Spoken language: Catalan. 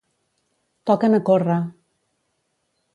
Toquen a córrer.